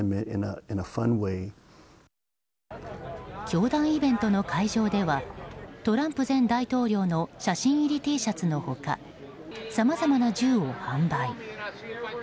教団イベントの会場ではトランプ前大統領の写真入りＴシャツのほかさまざまな銃を販売。